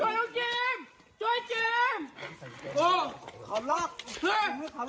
เห้ยจ้วยเก็ม